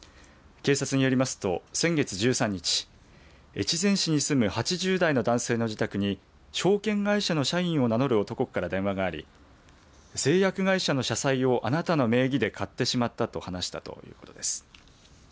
警察によりますと先月１３日越前市に住む８０代の男性の自宅に証券会社の社員を名乗る男から電話があり製薬会社の社債をあなたの名義で買ってしまったと話したということです。